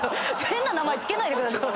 変な名前付けないでください。